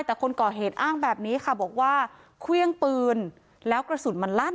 แต่คนก่อเหตุอ้างแบบนี้ค่ะบอกว่าเครื่องปืนแล้วกระสุนมันลั่น